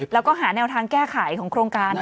แล้วก็หาแนวทางแก้ไขของโครงการ